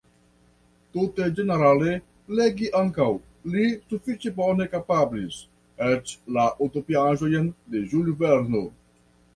Tute ĝenerale legi ankaŭ li sufiĉe bone kapablis, eĉ la utopiaĵojn de Julio Verno.